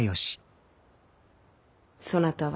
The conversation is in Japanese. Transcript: そなたは？